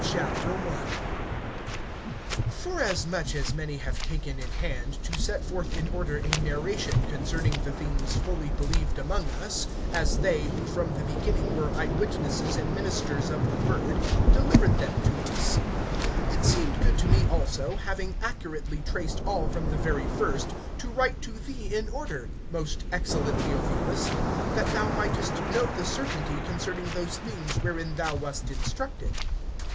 FORASMUCH as many have taken in hand to set forth in order a narration concerning the things fully believed among us[1:1], (2)as they, who from the beginning were eyewitnesses and ministers of the word, delivered them to us; (3)it seemed good to me also, having accurately traced all from the very first, to write to thee in order, most excellent Theophilus; (4)that thou mightest know the certainty concerning those things[1:4] wherein thou wast instructed.